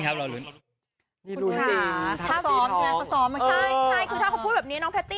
จริงอ่ะ